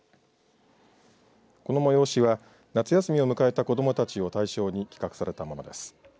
この催しは夏休みを迎えた子どもたちを対象に企画されたものです。